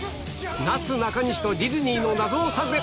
なすなかにしとディズニーの謎を探れ！